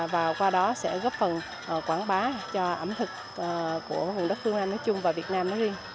và qua đó sẽ góp phần quảng bá cho ẩm thực của vùng đất phương nam